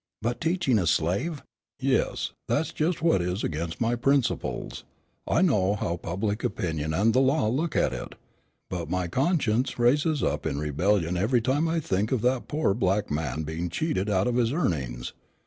"But teaching a slave " "Yes, that's just what is against my principles. I know how public opinion and the law look at it. But my conscience rises up in rebellion every time I think of that poor black man being cheated out of his earnings.